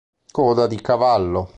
Coda di cavallo